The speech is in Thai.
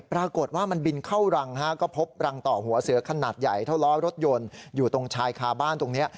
ปรากฏว่ามันบินเข้ารังก็พบรังต่อหัวเสือขนาดใหญ่เท่าล้อรถยนต์อยู่ตรงชายคาบ้านตรงนี้